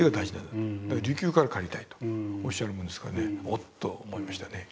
だから琉球から借りたいとおっしゃるもんですからね「おっ」と思いましたね。